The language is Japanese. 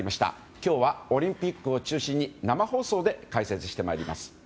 今日はオリンピックを中心に生放送で解説してまいります。